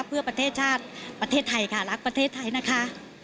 เพื่อประเทศชาติประเทศไทยค่ะรักประเทศไทยนะคะ